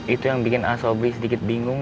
itu yang bikin a sobri sedikit bingung